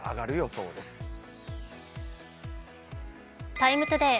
「ＴＩＭＥ，ＴＯＤＡＹ」